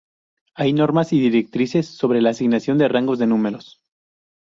Hay normas y directrices sobre la asignación de rangos de números.